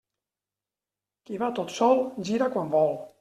Qui va tot sol, gira quan vol.